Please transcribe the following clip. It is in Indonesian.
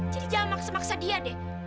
jadi jangan maksa maksa dia deh